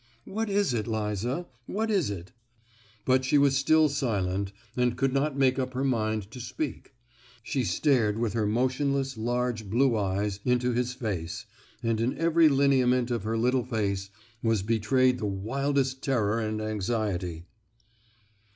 "What is it, Liza? What is it?" But she was still silent, and could not make up her mind to speak; she stared with her motionless, large blue eyes, into his face, and in every lineament of her little face was betrayed the wildest terror and anxiety.